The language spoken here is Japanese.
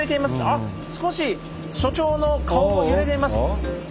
あっ少し所長の顔も揺れています。